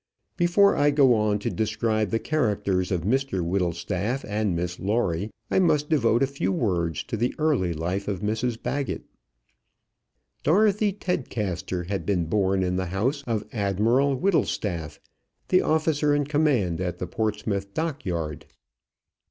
Before I go on to describe the characters of Mr Whittlestaff and Miss Lawrie, I must devote a few words to the early life of Mrs Baggett. Dorothy Tedcaster had been born in the house of Admiral Whittlestaff, the officer in command at the Portsmouth dockyard.